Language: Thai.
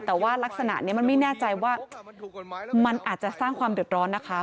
แต่ว่ารักษณะนี้มันไม่แน่ใจว่ามันอาจจะสร้างความเดือดร้อนนะคะ